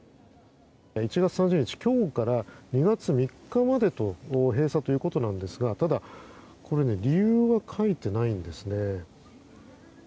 １月３０日、今日から２月３日まで閉鎖ということなんですがただ理由は書いてないんですね。